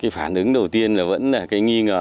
phản ứng đầu tiên là vẫn là cái nghi ngờ